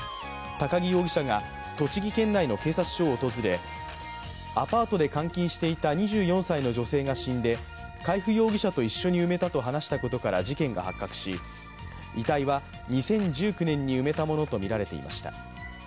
高木容疑者が栃木県内の警察署を訪れ、アパートで監禁していた２４歳の女性が死んで海部容疑者と一緒に埋めたと話したことから事件が発覚し、遺体は２０１９年に埋めたものとみられていました。